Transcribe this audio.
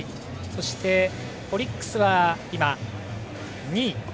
そしてオリックスは今２位。